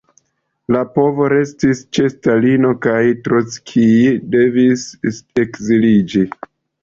La povo restis ĉe Stalino, kaj Trockij devis ekziliĝi.